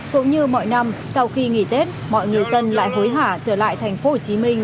cũng như mọi năm sau khi nghỉ tết mọi người dân lại hối hả trở lại thành phố hồ chí minh